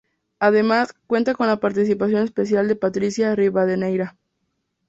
Además, cuenta con la participación especial de Patricia Rivadeneira.